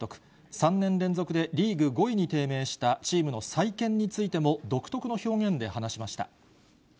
３年連続でリーグ５位に低迷したチームの再建についても、独特の表現で話しました。